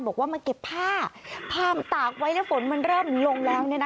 บอกว่ามาเก็บผ้าผ้าตากไว้แล้วฝนมันเริ่มลงแล้ว